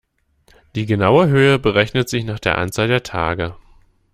Die genaue Höhe berechnet sich nach der Anzahl der Tage.